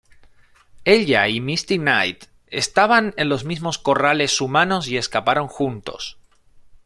Ella y Misty Knight estaban en los mismos corrales humanos y escaparon juntos.